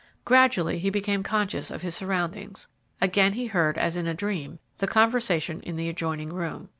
Gradually he became conscious of his surroundings. Again he heard, as in a dream, the conversation in the adjoining room.